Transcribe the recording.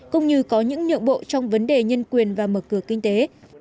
cũng như có những nhượng bộ trong vấn đề nhân quyền và mở cửa kinh tế